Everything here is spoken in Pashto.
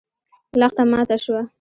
لښته ماته شوه.